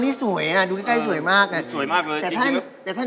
ไม่เคยดูแล้วไม่เคยดูแล้ว